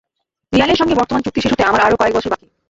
রিয়ালের সঙ্গে বর্তমান চুক্তি শেষ হতে আমার আরও কয়েক বছর বাকি।